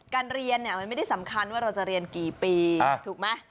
การเรียนเนี่ยมันไม่ได้สำคัญว่าเราจะเรียนกี่ปีถูกไหม